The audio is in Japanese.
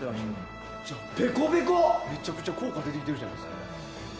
めちゃめちゃ効果出てきているじゃないですか。